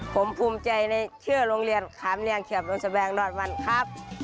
ผมภูมิใจในชื่อโรงเรียนขามเนียงเขียบดนแสวงดอดวันครับ